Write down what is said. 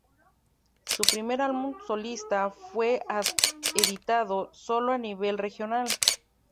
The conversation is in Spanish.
Su primer álbum solista fue editado sólo a nivel regional.